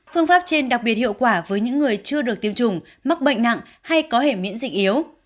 phương pháp trên đặc biệt hiệu quả với những người chưa được tiêm chủng mắc bệnh nặng hay có hệ miễn dịch yếu